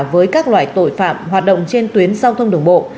với các loại tội phạm hoạt động trên tuyến giao thông đường bộ